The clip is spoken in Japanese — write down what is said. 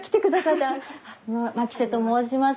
牧瀬と申します。